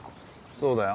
そうだよ